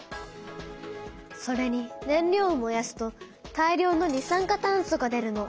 それに燃料を燃やすと大量の二酸化炭素が出るの。